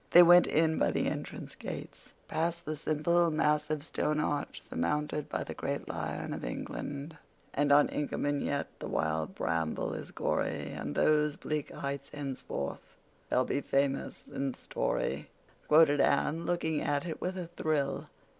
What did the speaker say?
They went in by the entrance gates, past the simple, massive, stone arch surmounted by the great lion of England. "'And on Inkerman yet the wild bramble is gory, And those bleak heights henceforth shall be famous in story,'" quoted Anne, looking at it with a thrill.